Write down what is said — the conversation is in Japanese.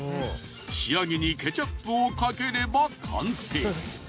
仕上げにケチャップをかければ完成。